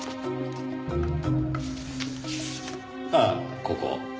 あっここ。